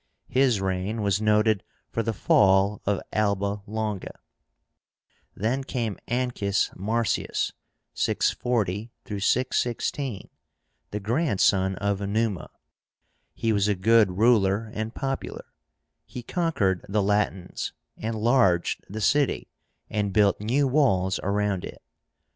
His reign was noted for the fall of Alba Longa. Then came ANCUS MARCIUS (640 616), the grandson of Numa. He was a good ruler and popular. He conquered the Latins, enlarged the city, and built new walls around it.